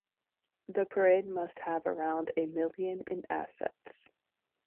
The parade must have around a million in assets.